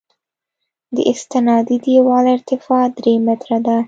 د استنادي دیوال ارتفاع درې متره ده